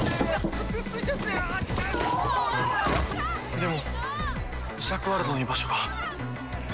でもジシャクワルドの居場所が。